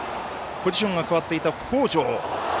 ポジションが変わっていた北條。